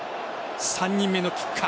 ３人目のキッカー。